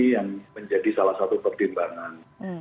yang menjadi salah satu pertimbangan